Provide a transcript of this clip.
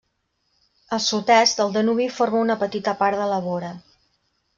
Al sud-est el Danubi forma una petita part de la vora.